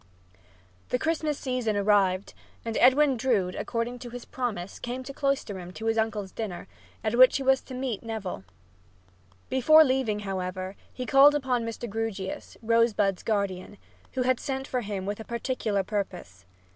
The Christmas season arrived, and Edwin Drood, according to his promise, came to Cloisterham to his uncle's dinner, at which he was to meet Neville. Before leaving, however, he called upon Mr. Grewgious, Rosebud's guardian, who had sent for him with a particular purpose.